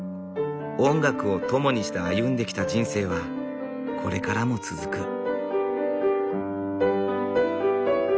音楽を友にして歩んできた人生はこれからも続く。